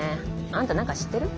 あんた何か知ってる？